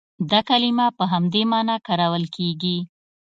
دا کلمه په همدې معنا کارول کېږي.